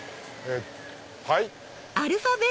はい？